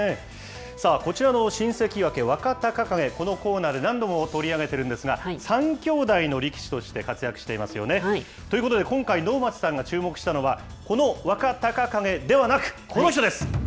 さあ、こちらの新関脇・若隆景、このコーナーで何度も取り上げているんですが、３兄弟の力士として活躍していますよね。ということで今回、能町さんが注目したのは、この若隆景ではなく、この人です。